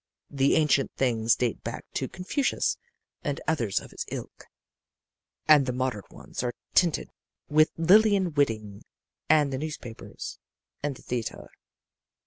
The ancient things date back to Confucius and others of his ilk and the modern ones are tinted with Lilian Whiting and newspapers and the theater.